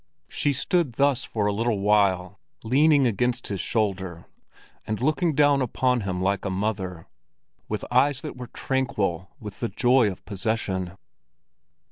She stood thus for a little while, leaning against his shoulder and looking down upon him like a mother, with eyes that were tranquil with the joy of possession.